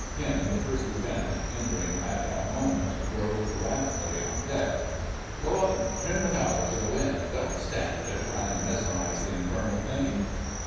Him the First Lieutenant, entering at that moment, drove wrathfully on deck. "Go up an' trim the cowl to the wind: don't stand there trying to mesmerise the infernal thing."